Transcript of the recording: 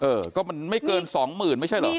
เออก็มันไม่เกินสองหมื่นไม่ใช่เหรอ